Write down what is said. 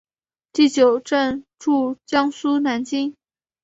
第九镇驻江苏南京。